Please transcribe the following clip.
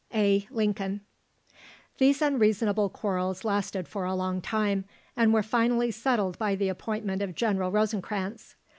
"A. LINCOLN." These unreasonable quarrels lasted for a long time, and were finally settled by the appointment of General Rosencranz.